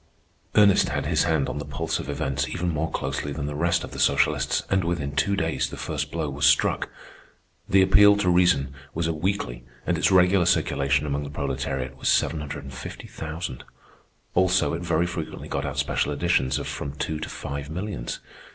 Ernest had his hand on the pulse of events even more closely than the rest of the socialists, and within two days the first blow was struck. The Appeal to Reason was a weekly, and its regular circulation amongst the proletariat was seven hundred and fifty thousand. Also, it very frequently got out special editions of from two to five millions.